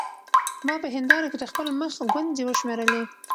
ما په هېنداره کې د خپل مخ ګونځې وشمېرلې.